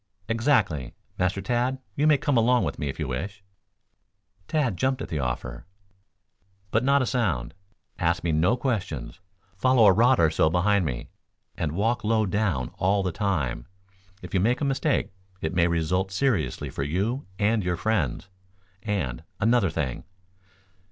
"Exactly. Master Tad, you may come along with me if you wish." Tad jumped at the offer. "But not a sound. Ask me no questions. Follow a rod or so behind me, and walk low down all the time. If you make a mistake it may result seriously for you and your friends. And, another thing."